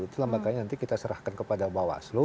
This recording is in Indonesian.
itulah makanya nanti kita serahkan kepada bawaslu